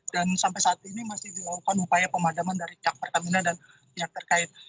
dan sampai saat ini masih dilakukan upaya pemadaman dari pihak pertamina dan pihak terkait